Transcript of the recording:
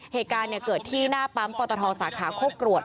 เหตุการณ์เกิดที่หน้าปั๊มปตทสาขาโคกรวด